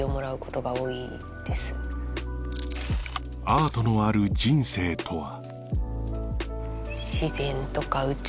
アートのある人生とは？